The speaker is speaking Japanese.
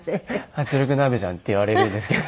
「圧力鍋じゃん」って言われるんですけど。